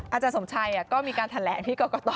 อาจารย์สมชัยก็มีการแทรกที่ก็เกาะต่อ